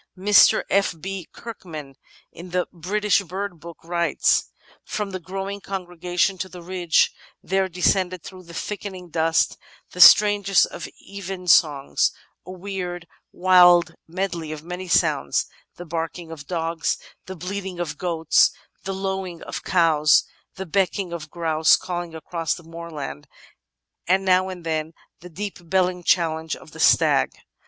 Mr. F. B. Kirkman, in The British Bird Book, writes: "From the growing congregation on the ridge there descended through the thickening dusk the strangest of evensongs — a weird, wild medley of many sounds : the barking of dogs, the bleating of goats, the lowing of cows, the becking of grouse calling across the moorland, and now and then the deep belling challenge of the stag."